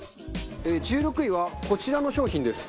１６位はこちらの商品です。